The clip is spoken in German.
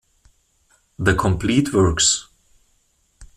The complete works".